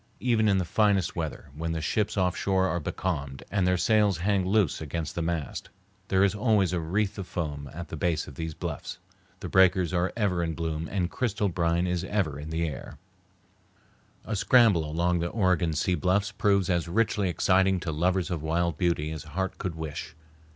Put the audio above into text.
Even in the finest weather, when the ships off shore are becalmed and their sails hang loose against the mast, there is always a wreath of foam at the base of these bluffs. The breakers are ever in bloom and crystal brine is ever in the air. [Illustration: THE OREGON SEA BLUFFS] A scramble along the Oregon sea bluffs proves as richly exciting to lovers of wild beauty as heart could wish.